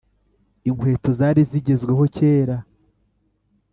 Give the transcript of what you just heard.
inkweto zari zigezweho kera